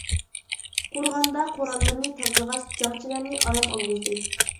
قورغاندا قوراللىرىنى تازىلىغاچ، جەڭچىلەرنى ئارام ئالغۇزدى.